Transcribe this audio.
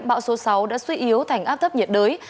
bão số sáu đã suy yếu thành áp thấp nhiệt đới